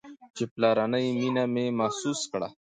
چې پلرنۍ مينه مې محسوسه كړه.